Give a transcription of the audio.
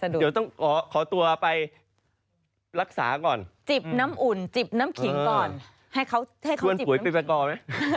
เดี๋ยวต้องขอตัวไปรักษาก่อนจิบน้ำอุ่นจิบน้ำขิงก่อน